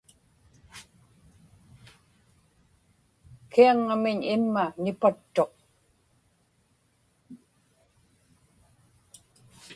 kiaŋŋamiñ imma nipattuq